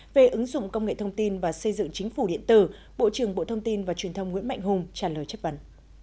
về ứng dụng công nghệ thông tin và xây dựng chính phủ điện tử bộ trưởng bộ thông tin và truyền thông nguyễn mạnh hùng trả lời chất vấn